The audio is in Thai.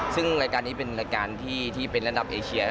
ซึ่งรายการนี้เป็นรายการที่เป็นระดับเอเชีย